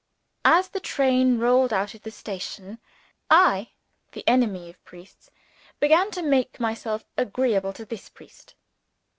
As the train rolled out of the station, I, the enemy of priests, began to make myself agreeable to this priest.